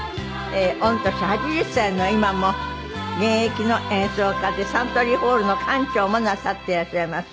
御年８０歳の今も現役の演奏家でサントリーホールの館長もなさっていらっしゃいます。